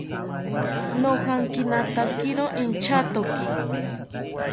Nojankinatakiro inchatoki